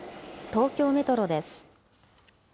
東京メトロです。